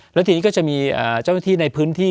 แล้วทีนี้ก็จะมีเจ้าหน้าที่ในพื้นที่